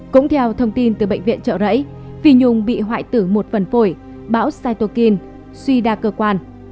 cũng theo thông tin từ bệnh viện trợ rẫy phi nhung bị hoại tử một phần phổi bão cytokine suy đa cơ quan